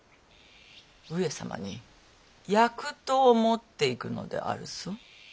上様に薬湯を持っていくのであるぞ。